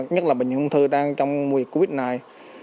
nhất là bệnh nhân thư đang trong mùi covid này